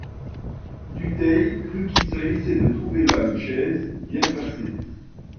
Dutheil crut qu'il s'agissait de trouver là une chaise, bien placée.